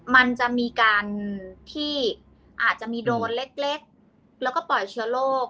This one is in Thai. มันจะมีการที่อาจจะมีโดรนเล็กแล้วก็ปล่อยเชื้อโรค